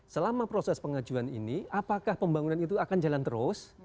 selama proses pengajuan ini apakah pembangunan itu akan jalan terus